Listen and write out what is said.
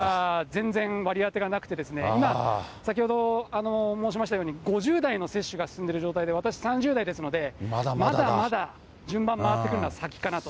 これが全然割り当てがなくて、今、先ほど申しましたように、５０代の接種が進んでいる状態で、私、３０代ですので、まだまだ順番回ってくるのは先かなと。